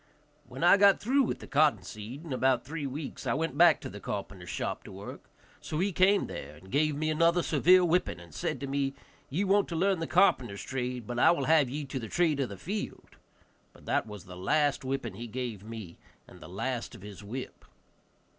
When I had got through with the cotton seed, in about three weeks, I went back to the carpenter's shop to work; so he came there and gave me another severe whipping, and said to me, "Ye want to learn the carpenter's trade, but I will have ye to the trade of the field." But that was the last whipping he gave me, and the last of his whip.